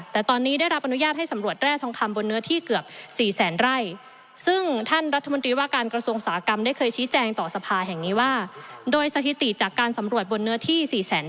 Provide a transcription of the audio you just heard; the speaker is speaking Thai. แต่ตอนนี้ได้รับอนุญาตให้สำรวจแร่ทองคำบนเนื้อที่เกือบ๔แสนไร่